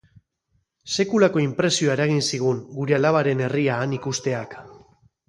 Sekulako inpresioa eragin zigun gure alabaren herria han ikusteak.